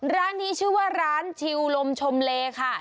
ร้านนี้ชื่อว่าร้านชิวลมชมเลค่ะ